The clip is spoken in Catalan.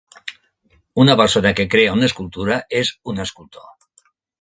Una persona que crea una escultura és un "escultor".